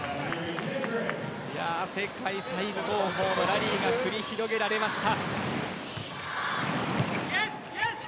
世界最高峰のラリーが繰り広げられました。